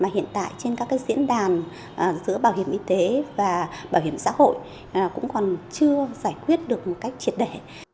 hiện tại trên các diễn đàn giữa bảo hiểm y tế và bảo hiểm xã hội cũng còn chưa giải quyết được một cách triệt đẻ